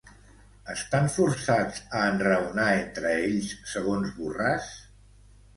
Estan forçats a enraonar entre ells, segons Borràs?